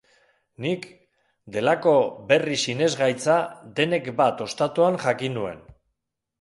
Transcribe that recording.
Nik, delako berri sinesgaitza Denek bat ostatuan jakin nuen.